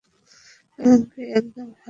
এমনকি একদম হালকা গতিবিধিও।